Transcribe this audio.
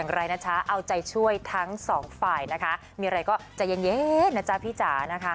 ไม่แปลกที่วันนี้แบรนด์เหล่าเจ๊